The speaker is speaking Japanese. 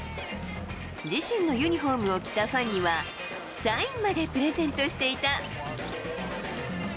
自身のユニホームを着たファンには、サインまでプレゼントしていた。